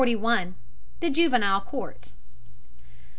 THE JUVENILE COURT.